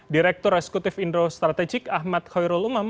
direktur eksekutif indro strategik ahmad khairul umam